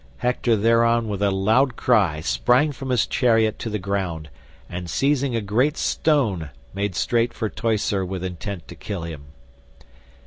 Hector thereon with a loud cry sprang from his chariot to the ground, and seizing a great stone made straight for Teucer with intent to kill him.